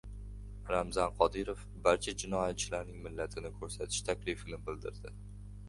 Ramzan Qodirov barcha jinoyatchilarning millatini ko‘rsatish taklifini bildirdi